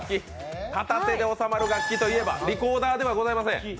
片手で収まる楽器といえばリコーダーではございません。